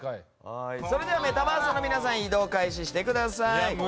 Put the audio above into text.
メタバースの皆さん移動を開始してください。